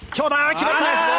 決まった！